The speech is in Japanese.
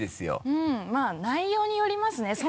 うんまぁ内容によりますね。